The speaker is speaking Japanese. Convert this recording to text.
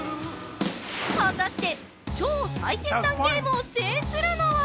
果たして超最先端ゲームを制するのは！？